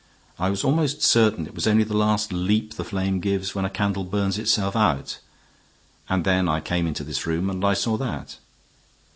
I was almost certain it was only the last leap the flame gives when a candle burns itself out. And then I came into this room and I saw that."